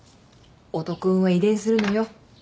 男運は遺伝するのよ。